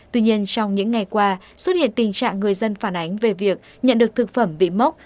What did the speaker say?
tuy nhiên trong những ngày qua xuất hiện tình trạng người dân phản ánh về việc nhận được thực phẩm bị mốc